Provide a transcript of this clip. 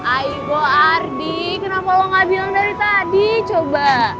aigo ardi kenapa lo gak bilang dari tadi coba